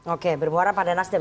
oke bermuara pada nasdem